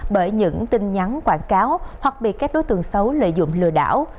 bởi những tin nhắn quảng cáo hoặc bị các đối tượng xấu lợi dụng lừa đảo